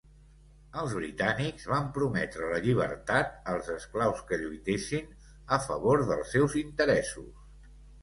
Els britànics van prometre la llibertat als esclaus que lluitessin a favor dels seus interessos.